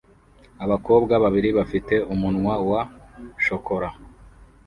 Abakobwa babiri bafite umunwa wa shokora